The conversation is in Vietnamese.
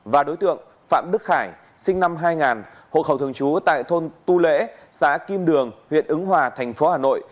và đối tượng phạm đức khải sinh năm hai nghìn hộ khẩu thường trú tại thôn tu lễ xã kim đường huyện ứng hòa thành phố hà nội